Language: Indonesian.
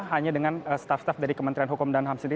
hanya dengan staf staff dari kementerian hukum dan ham sendiri